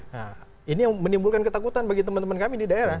nah ini yang menimbulkan ketakutan bagi teman teman kami di daerah